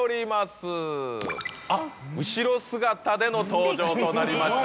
後ろ姿での登場となりました。